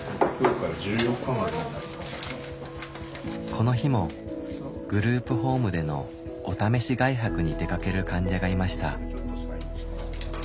この日もグループホームでのお試し外泊に出かける患者がいました。